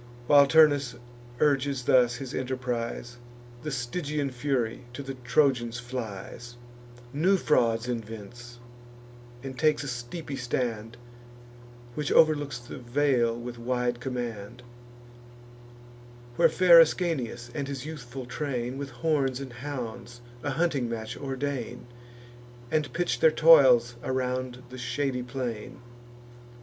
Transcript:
While Turnus urges thus his enterprise, The Stygian Fury to the Trojans flies; New frauds invents, and takes a steepy stand, Which overlooks the vale with wide command; Where fair Ascanius and his youthful train, With horns and hounds, a hunting match ordain, And pitch their toils around the shady plain.